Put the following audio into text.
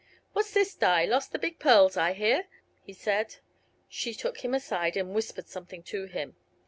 "What's this, Di? Lost the big pearls, I hear," he said. She took him aside and whispered something to him.